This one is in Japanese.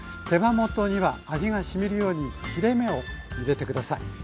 手羽元には味がしみるように切れ目を入れて下さい。